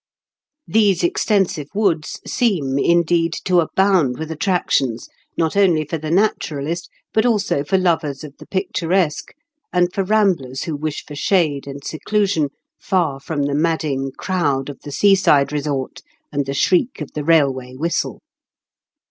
These extensive woods seem, indeed, to abound with attractions, not only for the naturalist, but also for lovers of the picturesque, and for ramblers who wish for shade and seclusion, "far firom the madding crowd" of the seaside resort and the shriek of the rail way whistle.